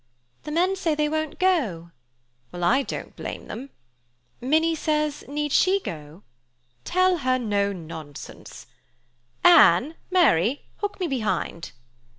"The men say they won't go"—"Well, I don't blame them"—Minnie says, "need she go?"—"Tell her, no nonsense"—"Anne! Mary! Hook me behind!"